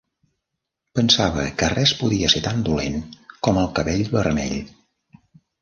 Pensava que res podia ser tan dolent com el cabell vermell.